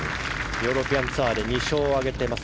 ヨーロピアンツアーで２勝を挙げています。